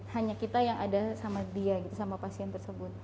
hanya kita yang ada sama dia gitu sama pasien tersebut